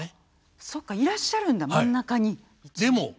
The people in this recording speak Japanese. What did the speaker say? そっかいらっしゃるんだ真ん中に。